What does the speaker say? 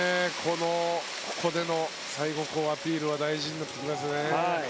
ここでのアピールは大事になってきますね。